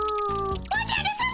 おじゃるさま！